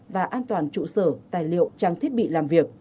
và an toàn trụ sở tài liệu trang thiết bị làm việc